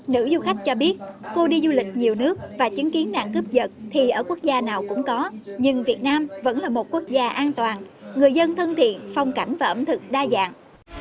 nữ du khách cho biết cô đi du lịch nhiều nước và chứng kiến nạn cướp giật thì ở quốc gia nào cũng có nhưng việt nam vẫn là một quốc gia an toàn người dân thân thiện phong cảnh và ẩm thực đa dạng